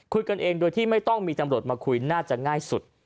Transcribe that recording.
คุยกันเองโดยที่ไม่ต้องมีตำรวจมาคุยน่าจะง่ายสุด